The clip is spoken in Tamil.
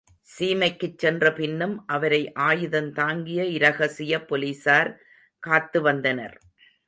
சீமைக்குச் சென்ற பின்னும் அவரை ஆயுதந்தாங்கிய இரகசிய போலிசார் காத்து வந்தனர்.